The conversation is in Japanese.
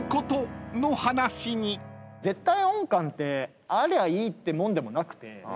絶対音感ってありゃいいってもんでもなくて。